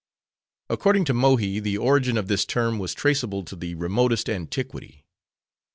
According to Mohi, the origin of this term was traceable to the remotest antiquity.